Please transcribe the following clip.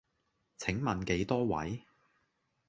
請問幾多位？